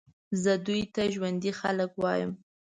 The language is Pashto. زه دوی ته ژوندي خلک وایم.